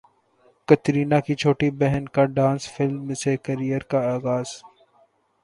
کترینہ کی چھوٹی بہن کا ڈانس فلم سے کیریئر کا اغاز